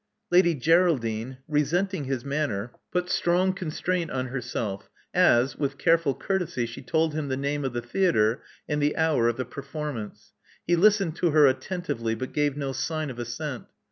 Lady Geraldine, resenting his manner, put strong Love Among the Artists 239 constraint on herself, as, with careful courtesy she told him the name of the theatre and the hour of the performance. He listened to her attentively, but gave no sign of assent.